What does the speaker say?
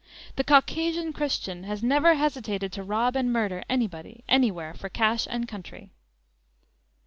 The Caucasian Christian has never hesitated to rob and murder anybody anywhere for cash and country!